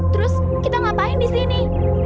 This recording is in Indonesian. terus kita ngapain di sini